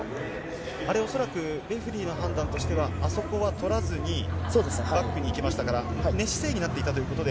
あれ、恐らくレフェリーの判断としては、あそこは取らずに、バックにいきましたから、寝姿勢になっていたということで。